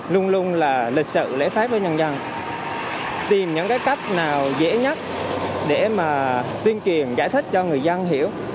luôn luôn lịch sự lễ pháp với nhân dân tìm những cách nào dễ nhất để tuyên truyền giải thích cho người dân hiểu